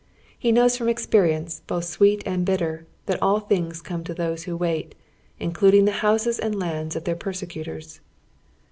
He knows from experience, botli sweet and bitter, that all tilings come to those who wait, includ ing the liouses and lands of their persecutors.